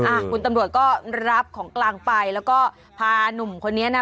อ่ะคุณตำรวจก็รับของกลางไปแล้วก็พาหนุ่มคนนี้นะ